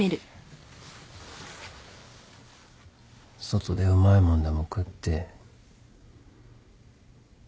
外でうまいもんでも食って。